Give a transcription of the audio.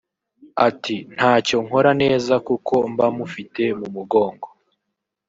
Ati “ Ntacyo nkora neza kuko mba mufite mu mugongo